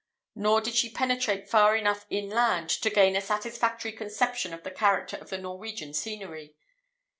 Nor did she penetrate far enough inland to gain a satisfactory conception of the character of the Norwegian scenery.